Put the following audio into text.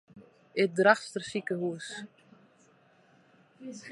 It Drachtster sikehús.